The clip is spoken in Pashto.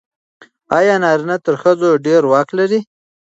آیا نارینه تر ښځو ډېر واک لري؟